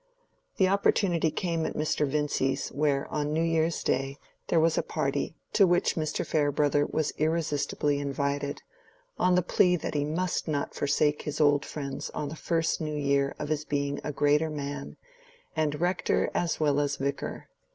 The opportunity came at Mr. Vincy's, where, on New Year's Day, there was a party, to which Mr. Farebrother was irresistibly invited, on the plea that he must not forsake his old friends on the first new year of his being a greater man, and Rector as well as Vicar.